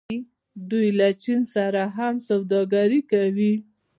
دوی له چین سره هم سوداګري کوي.